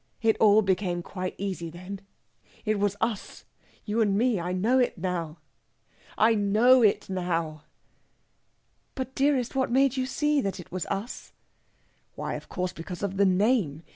It all became quite easy then. It was us you and me! I know it now I know it now!" "But, dearest, what made you see that it was us?" "Why, of course, because of the name!